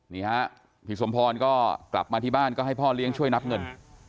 นี่ฮะพี่สมพรก็กลับมาที่บ้านก็ให้พ่อเลี้ยงช่วยนับเงิน